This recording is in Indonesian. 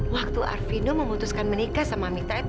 waktu arvindo memutuskan menikah sama mita itu